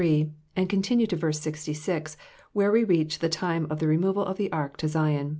and continued to verse 66, where toe reach the time of the removal of Vie ark to Zion.